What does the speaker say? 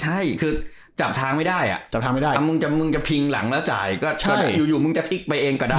ใช่คือจับทางไม่ได้อ่ะจับทางไม่ได้มึงจะพิงหลังแล้วจ่ายก็ใช่อยู่มึงจะพลิกไปเองก็ได้